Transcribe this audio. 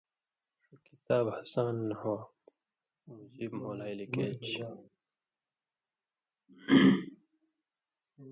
ݜُو کتاب ہَسان نحوۡ مجیب مھولائے لِکہ چھئ